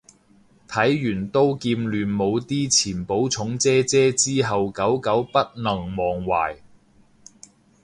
睇完刀劍亂舞啲前寶塚姐姐之後久久不能忘懷